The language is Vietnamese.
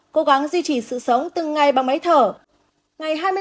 cố gắng duy trì sự sống từng ngày bằng máy thở